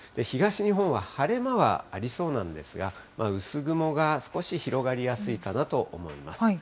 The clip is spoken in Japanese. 東日本は晴れ間はありそうなんですが、薄雲が少し広がりやすいかなと思います。